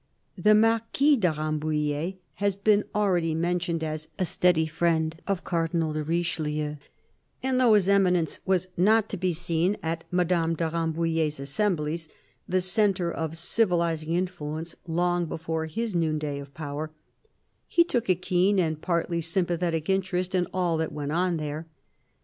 The Marquis de Rambouillet has been already mentioned as a steady friend of Cardinal de Richelieu, and though His Eminence was not to be seen at Madame de Ram bouillet's assemblies — the centre of civilising influence long before his noonday of power — he took a keen and partly sympathetic interest in all that went on there.